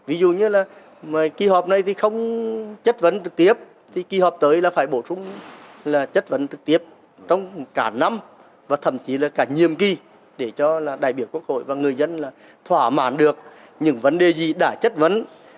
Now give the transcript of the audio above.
ví dụ như là kỳ họp này thì không chất vấn trực tiếp thì kỳ họp tới là phải bổ sung là chất vấn trực tiếp trong cả năm và thậm chí là cả nhiệm kỳ để cho đại biểu quốc hội và người dân là thỏa mãn được những vấn đề gì đã chất vấn